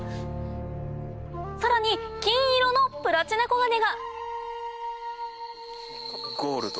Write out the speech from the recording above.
さらに金色のプラチナコガネがゴールド。